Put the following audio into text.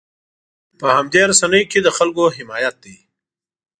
په همدې رسنیو کې د خلکو حمایت دی.